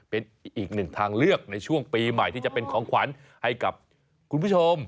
เป็นอีกหนึ่งทางเลือกในช่วงปีใหม่ที่จะเป็นของขวัญให้กับคุณผู้ชม